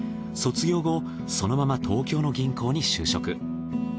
卒業後そのまま東京の銀行に就職。